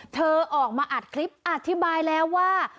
เธอออกมาอัดคลิปอธิบายแล้วว่า